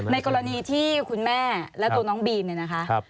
ในกรณีที่คุณแม่และตัวน้องบีน